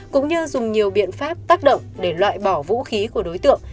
cũng như dùng nhiều biện pháp tác động để loại bỏ vũ khí của đối tượng